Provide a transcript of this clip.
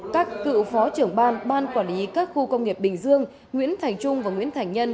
các cựu phó trưởng ban ban quản lý các khu công nghiệp bình dương nguyễn thành trung và nguyễn thành nhân